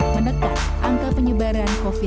menekan angka penyebaran covid sembilan belas